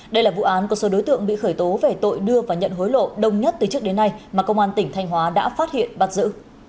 đây là vụ án có số đối tượng bị khởi tố về tội đưa và nhận hối lộ đông nhất từ trước đến nay mà công an tỉnh thanh hóa đã phát hiện bắt giữ